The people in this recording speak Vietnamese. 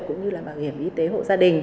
cũng như bảo hiểm y tế hộ gia đình